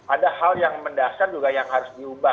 ada hal yang mendasar juga yang harus diubah